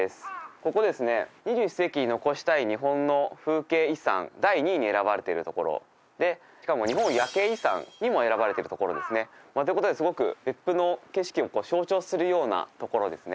ここですね２１世紀に残したい日本の風景遺産第２位に選ばれている所でしかも日本夜景遺産にも選ばれてる所ですねということですごく別府の景色を象徴するような所ですね